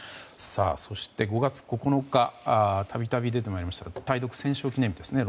そして、５月９日度々出てまいりましたがロシアの対独戦勝記念日ですね。